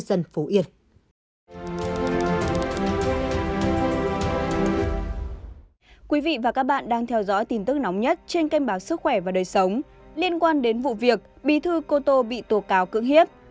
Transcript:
các bạn đang theo dõi tin tức nóng nhất trên kênh báo sức khỏe và đời sống liên quan đến vụ việc bí thư cô tô bị tù cáo cưỡng hiếp